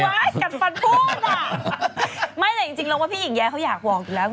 กัดฟันพูดอ่ะไม่แต่จริงจริงเราว่าพี่หญิงแย้เขาอยากบอกอยู่แล้ว